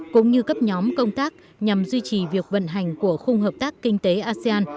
cũng như cấp nhóm công tác nhằm duy trì việc vận hành của khung hợp tác kinh tế asean